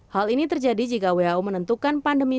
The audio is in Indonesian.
hal ini terjadi jika who menentukan pandemi